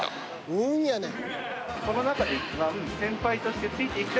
［運やねん］